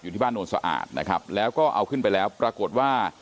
ที่บ้านโนนสะอาดนะครับแล้วก็เอาขึ้นไปแล้วปรากฏว่า